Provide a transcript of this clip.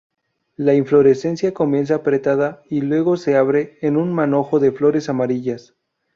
La inflorescencia comienza apretada y luego se abre en un manojo de flores amarillas.